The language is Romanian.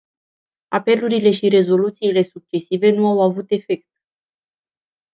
Apelurile și rezoluțiile succesive nu au avut efect.